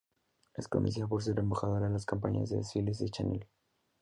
Es conocida por ser embajadora de las campañas y desfiles de Chanel.